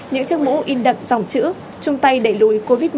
những chiếc mũ in đậm dòng chữ chung tay đẩy lùi covid một mươi chín